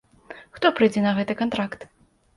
Хто прыйдзе на гэты кантракт?